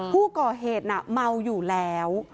ผู้ก่อเหตุเมาอยู่แล้ว